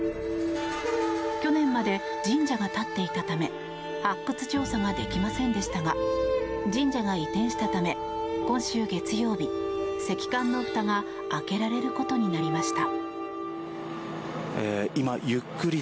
去年まで神社が立っていたため発掘調査ができませんでしたが神社が移転したため今週月曜日石棺のふたが開けられることになりました。